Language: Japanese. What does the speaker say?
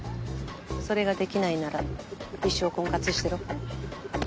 それができないなら一生婚活してろ。